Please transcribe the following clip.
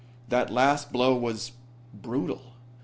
That last blow was brutal.